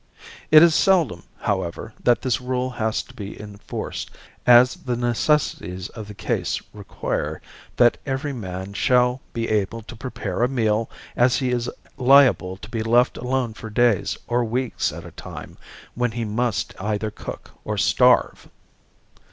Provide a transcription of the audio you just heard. It is seldom, however, that this rule has to be enforced, as the necessities of the case require that every man shall be able to prepare a meal as he is liable to be left alone for days or weeks at a time when he must either cook or starve.